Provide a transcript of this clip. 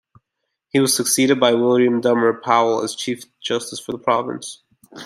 He was succeeded by William Dummer Powell as Chief Justice for the province.